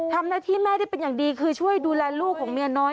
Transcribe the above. ทำหน้าที่แม่ได้เป็นอย่างดีคือช่วยดูแลลูกของเมียน้อย